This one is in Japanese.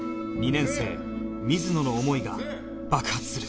２年生水野の思いが爆発する